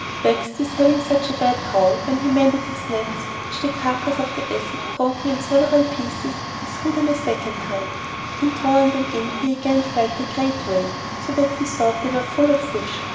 Vexed with having such a bad haul, when he had mended his nets, which the carcase of the ass had broken in several places, he threw them a second time. In drawing them in he again felt a great weight, so that he thought they were full of fish.